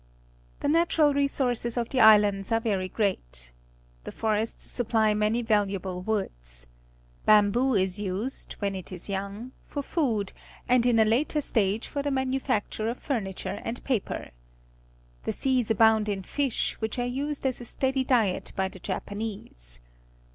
The natural resources of the islands are very great. The forests supply many \;;alu:; able woods. Bamboo is used, when it is }'x)ung~7Tor food7 and in a later stage for the manufacture of furniture and jyper. The seas abound in fisEfwhich are used as a .stead}' diet by the Japanese.